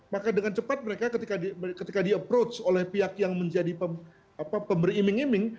maka dengan cepat mereka ketika di approach oleh pihak yang menjadi pemberi iming iming